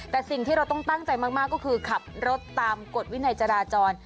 แต่สิ่งที่เราต้องตั้งใจมากก็คือขับรถตามกฎวินัยจราจร